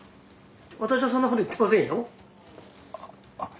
私はそんなこと言ってませんよ。